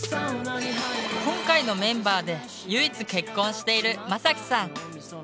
今回のメンバーで唯一結婚しているまさきさん。